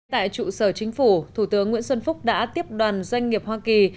tại trụ sở chính phủ thủ tướng nguyễn xuân phúc đã tiếp đoàn doanh nghiệp hoa kỳ